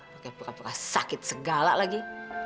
pakai perap perap sakit segala lagi